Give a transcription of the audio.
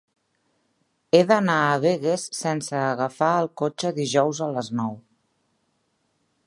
He d'anar a Begues sense agafar el cotxe dijous a les nou.